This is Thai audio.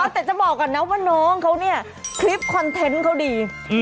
แต่จะบอกก่อนนะว่าน้องเขาเนี่ยคลิปคอนเทนต์เขาดี